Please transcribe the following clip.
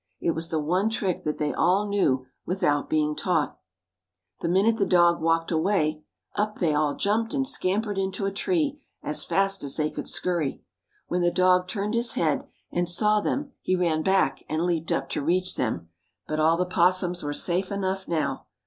It was the one trick that they all knew without being taught. The minute the dog walked away up they all jumped and scampered into a tree as fast as they could scurry. When the dog turned his head and saw them he ran back and leaped up to reach them. But all the opossums were safe enough now.